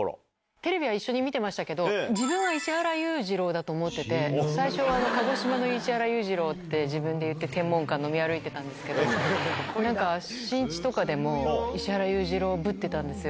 テレビは一緒に見てましたけど、自分は石原裕次郎だと思ってて、最初は鹿児島の石原裕次郎って自分で言っててんもんかん飲み歩いてたんですけど、新地とかでも、石原裕次郎ぶってたんですよ。